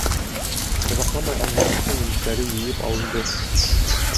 Оҙаҡламай алмағастың емештәре йыйып алынды.